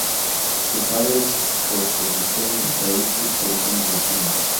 Su padre es puertorriqueño, de ahí sus orígenes latinos.